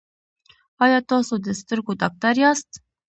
ایا تاسو د سترګو ډاکټر یاست؟